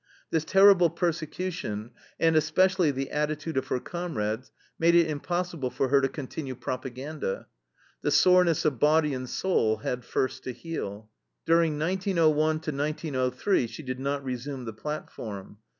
This terrible persecution and, especially, the attitude of her comrades made it impossible for her to continue propaganda. The soreness of body and soul had first to heal. During 1901 1903 she did not resume the platform.